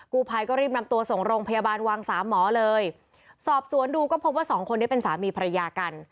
กูภัยก็รีบนำตัวส่งโรงพยาบาลวังสามหมอเลยสอบสวนดูก็พบว่าสองคนนี้เป็นสามีภรรยากัน